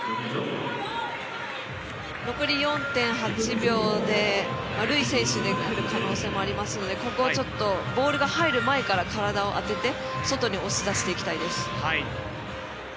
残り４．８秒でルイ選手でくる可能性もありますのでここをちょっとボールが入る前から体を当てて外に押し出していきたいです。